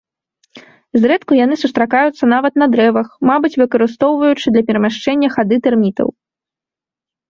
Зрэдку яны сустракаюцца нават на дрэвах, мабыць выкарыстоўваючы для перамяшчэння хады тэрмітаў.